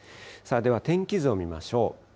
では天気図を見ましょう。